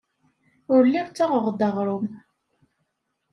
Ur lliɣ ssaɣeɣ-d aɣrum.